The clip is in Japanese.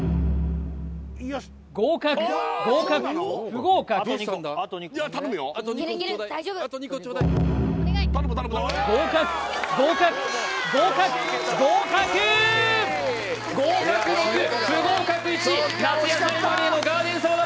合格合格不合格合格合格合格合格合格６不合格１夏野菜マリネのガーデンサラダ